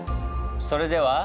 それでは。